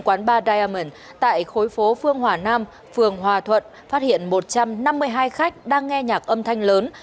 quán ba diamont tại khối phố phương hòa nam phường hòa thuận phát hiện một trăm năm mươi hai khách đang nghe nhạc âm thanh lớn